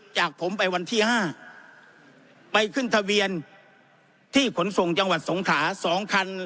จากผมไปวันที่๕ไปขึ้นทะเบียนที่ขนส่งจังหวัดสงขา๒คัน